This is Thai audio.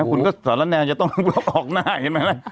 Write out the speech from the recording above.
คุณธรรมนัสแนว่าจะต้องออกหน้าเห็นไหมฮะ